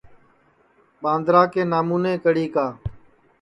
ٻاندرا کے نامونے کڑی کا